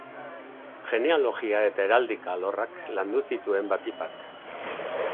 Genealogia eta heraldika-alorrak landu zituen batik bat.